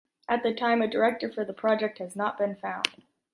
At the time, a director for the project has not been found.